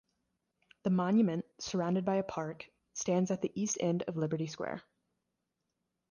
The monument, surrounded by a park, stands at the east end of Liberty Square.